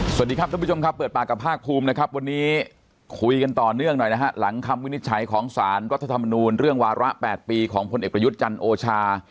สวัสดีครับทุกผู้ชมครับเปิดปากกับภาคภูมินะครับวันนี้คุยกันต่อเนื่องหน่อยนะฮะหลังคำวินิจฉัยของสารรัฐธรรมนูลเรื่องวาระ๘ปีของพลเอกประยุทธ์จันทร์โอชา